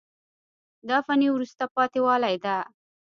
دا فني وروسته پاتې والی ده.